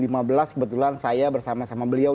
kebetulan saya bersama sama beliau